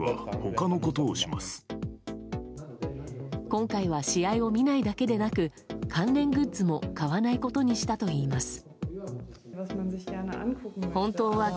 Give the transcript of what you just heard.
今回は試合を見ないだけでなく関連グッズも買わないことにしたといいます。